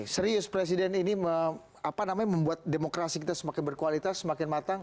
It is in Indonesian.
serius presiden ini membuat demokrasi kita semakin berkualitas semakin matang